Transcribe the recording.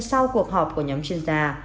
sau cuộc họp của nhóm chuyên gia